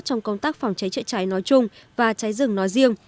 trong công tác phòng cháy chữa cháy nói chung và cháy rừng nói riêng